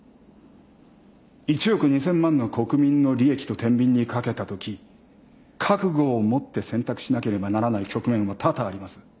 １億２，０００万の国民の利益とてんびんにかけたとき覚悟を持って選択しなければならない局面は多々あります。